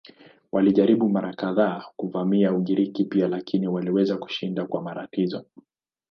Walijaribu mara kadhaa kuvamia Ugiriki pia lakini waliweza kushindwa kwa matatizo.